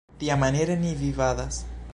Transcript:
Tiamaniere ni vivadas.